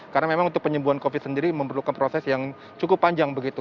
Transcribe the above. karena memang untuk penyembuhan covid sembilan belas sendiri memerlukan proses yang cukup panjang begitu